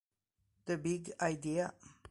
The Big Idea